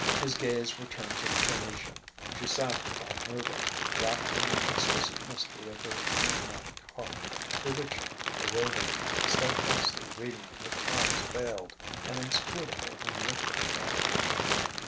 His gaze returned to Venetia. She sat without moving, wrapped in the exquisite mystery of her enigmatic heart, bewitching, bewildering, steadfastly reading him with eyes veiled and inscrutable in liquid shadow.